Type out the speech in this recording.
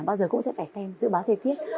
bao giờ cũng sẽ phải xem dự báo thời tiết